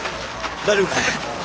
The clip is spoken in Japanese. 大丈夫か。